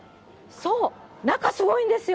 そう、中すごいんですよ。